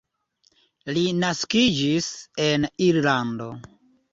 Li naskiĝis en Irlando.